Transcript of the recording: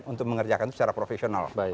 untuk mengerjakan secara profesional